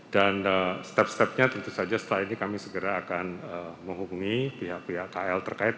dan step stepnya tentu saja setelah ini kami segera akan menghubungi pihak pihak kl terkait